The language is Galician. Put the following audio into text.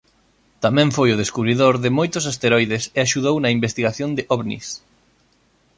Tamén foi o descubridor de moitos asteroides e axudou na investigación de Ovnis.